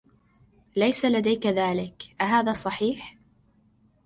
ليس لديك ذلك، أهذا صحيح؟